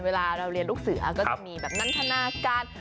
เวลาเราเรียนลูกเสือก็จะมีแบบนันทนาการ